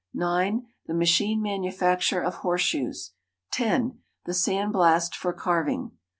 (9) The Machine Manufacture of Horseshoes. (10) The Sand Blast for Carving.